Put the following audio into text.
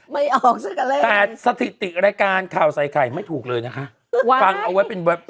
ไม่ออกซักแรกแต่สถิติรายการข่าวใส่ไข่ไม่ถูกเลยนะคะ